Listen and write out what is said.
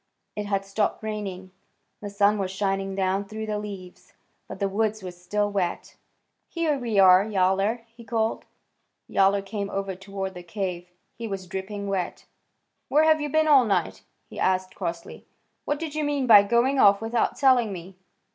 It had stopped raining; the sun was shining down through the leaves, but the woods were still wet. "Here we are, Yowler," he called. Yowler came over toward the cave. He was dripping wet. "Where have you been all night?" he asked crossly. "What did you mean by going off without telling me?